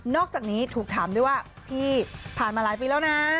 อกจากนี้ถูกถามด้วยว่าพี่ผ่านมาหลายปีแล้วนะ